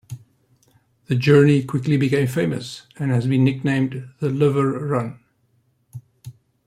The journey quickly became famous, and has been nicknamed the Liver Run.